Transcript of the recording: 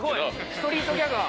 ストリートギャガー。